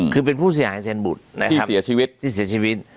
คือเป็นผู้เสียชีวิต